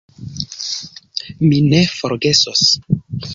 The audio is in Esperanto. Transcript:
Mi ne forgesos.